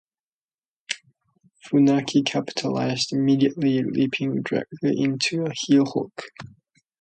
Funaki capitalized immediately, leaping directly into a heel-hook.